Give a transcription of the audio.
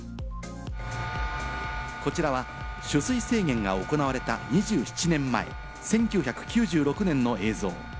こちらは取水制限が行われた２７年前、１９９６年の映像。